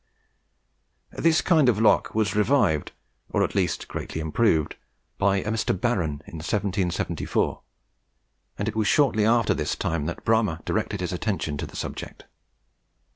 This kind of lock was revived, or at least greatly improved, by a Mr. Barron in 1774, and it was shortly after this time that Bramah directed his attention to the subject.